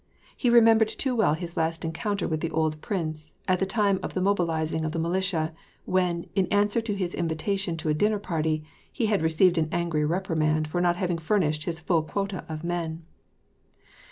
He remembered too well his last encounter with the old prince, at the time of the mobilizing of the militia, when, in answer to his invitation to a dinner party, he had received an angry reprimand for not having furnished his full quota of men.